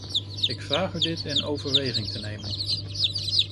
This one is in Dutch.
Ik vraag u dit in overweging te nemen.